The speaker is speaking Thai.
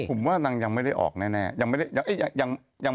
ผมว่านางยังไม่ได้ออกแน่ยังไม่ได้จับได้แน่นอน